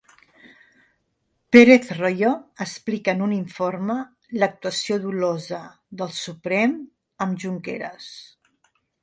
Pérez Royo explica en un informe l'actuació dolosa del Suprem amb Junqueras